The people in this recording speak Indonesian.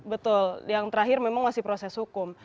betul yang terakhir memang masih proses hukum